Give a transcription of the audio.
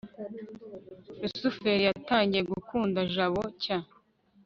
rusufero yatangiye gukunda jabo cy